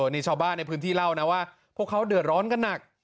นี่ชาวบ้านในพื้นที่เล่านะว่าพวกเขาเดือดร้อนกันหนัก